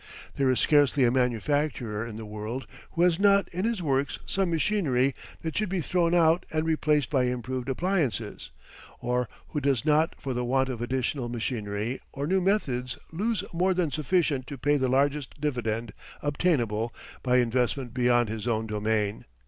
There is scarcely a manufacturer in the world who has not in his works some machinery that should be thrown out and replaced by improved appliances; or who does not for the want of additional machinery or new methods lose more than sufficient to pay the largest dividend obtainable by investment beyond his own domain.